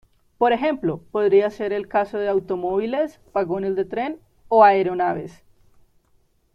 Por ejemplo, podría ser el caso de automóviles, vagones de tren, o aeronaves.